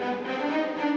kamila tidak ada dirinya